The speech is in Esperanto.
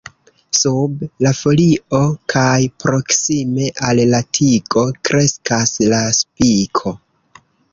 Sub la folio kaj proksime al la tigo kreskas la spiko.